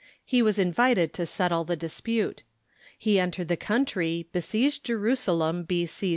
He Avas invited to settle the dis pute. He entered the country, besieged Jerusalem b.c.